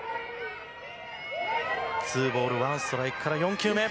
ツーボールワンストライクから、４球目。